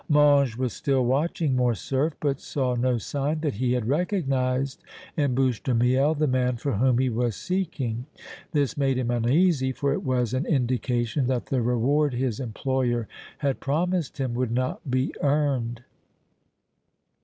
Mange was still watching Morcerf, but saw no sign that he had recognized in Bouche de Miel the man for whom he was seeking. This made him uneasy, for it was an indication that the reward his employer had promised him would not be earned.